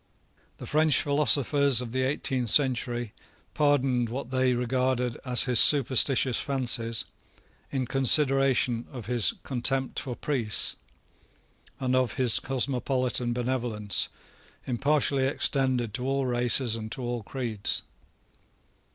The French philosophers of the eighteenth century pardoned what they regarded as his superstitious fancies in consideration of his contempt for priests, and of his cosmopolitan benevolence, impartially extended to all races and to all creeds.